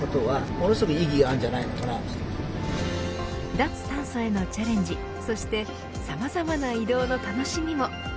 脱炭素へのチャレンジそしてさまざまな移動の楽しみも。